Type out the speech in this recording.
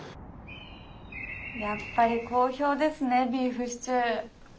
やっぱり好評ですねビーフシチュー。